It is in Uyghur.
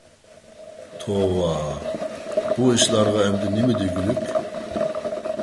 توۋا، بۇ ئىشلارغا ئەمدى نېمە دېگۈلۈك؟